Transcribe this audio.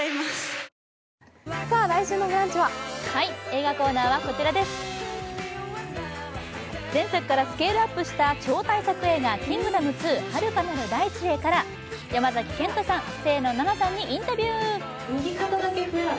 映画コーナーは、前作からスケールアップした超大作映画、「キングダム２遥かなる大地へ」から山崎賢人さん、清野菜名さんにインタビュー。